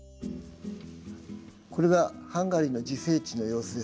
これがハンガリーの自生地の様子です。